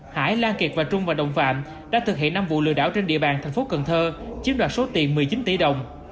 hải lan kiệt và trung và đồng phạm đã thực hiện năm vụ lừa đảo trên địa bàn thành phố cần thơ chiếm đoạt số tiền một mươi chín tỷ đồng